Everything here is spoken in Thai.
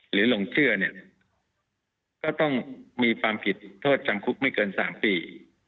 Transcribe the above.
หลงเชื่อเนี่ยก็ต้องมีความผิดโทษจำคุกไม่เกิน๓ปี